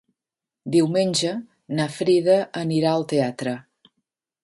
Diumenge na Frida anirà al teatre.